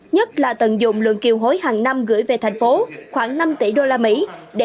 nhất là tận dụng lượng kiều hối hàng năm gửi về thành phố khoảng năm tỷ usd để